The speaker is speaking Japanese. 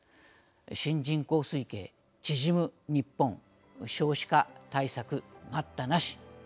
「新人口推計縮むニッポン少子化対策待ったなし」。